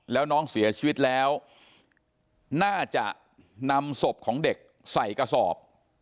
แล้วน้องเสียชีวิตแล้วน่าจะนำศพของเด็กใส่กระสอบ